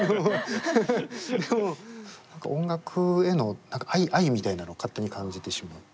でも何か音楽への愛みたいなのを勝手に感じてしまう。